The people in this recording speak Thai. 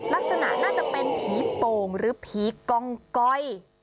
ลักษณะน่าจะเป็นผีโป่งหรือผีกองก้อย